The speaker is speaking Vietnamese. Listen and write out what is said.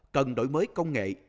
cần đổi mới công nghệ